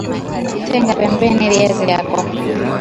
tenga pembeni viazi vyako